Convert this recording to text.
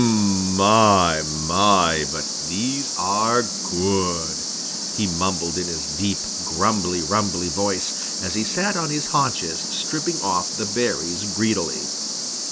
"Um m m, my, my, but these are good!" he mumbled in his deep grumbly rumbly voice, as he sat on his haunches stripping off the berries greedily.